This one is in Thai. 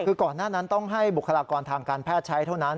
คือก่อนหน้านั้นต้องให้บุคลากรทางการแพทย์ใช้เท่านั้น